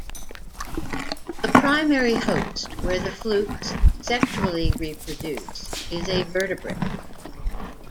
The primary host, where the flukes sexually reproduce, is a vertebrate.